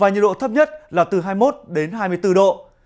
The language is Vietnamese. nhiệt độ thấp nhất là từ hai mươi một hai mươi bốn độ